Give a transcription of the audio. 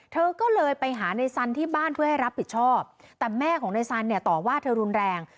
เธอก็เลยไปหาในสันที่บ้านเพื่อให้รับผิดชอบแต่แม่ของนายสันเนี่ยต่อว่าเธอรุนแรง